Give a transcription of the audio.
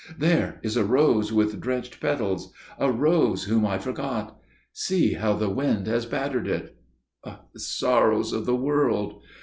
There is a rose with drenched petals––a rose whom I forgot. See how the wind has battered it.... The sorrows of the world!...